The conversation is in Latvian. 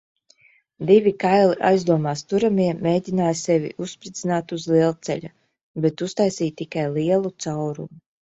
Divi kaili aizdomās turamie mēģināja sevi uzspridzināt uz lielceļa, bet uztaisīja tikai lielu caurumu.